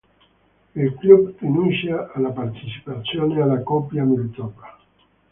Il club rinuncia alla partecipazione alla Coppa Mitropa.